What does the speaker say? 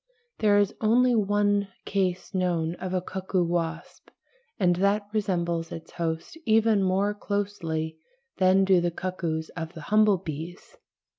There is only one case known of a cuckoo wasp, and that resembles its host even more closely than do the cuckoos of the humble bees.